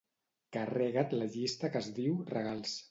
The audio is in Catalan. Carrega't la llista que es diu "regals".